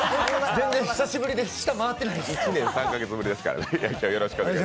全然久しぶりで舌、回ってないです。